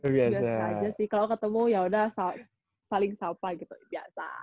biasa aja sih kalau ketemu yaudah saling sapa gitu biasa